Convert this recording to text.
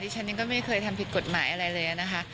ฉันเองก็ไม่เคยทำผิดกฎหมายอะไรเลยนะคะ